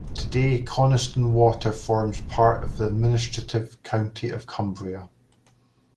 Today Coniston Water forms part of the administrative county of Cumbria.